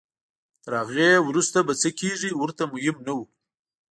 تر هغې وروسته به څه کېږي ورته مهم نه وو.